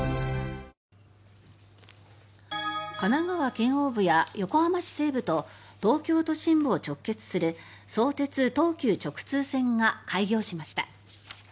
県央部や横浜市西部と東京都心部を直結する相鉄・東急直通線が開業しました。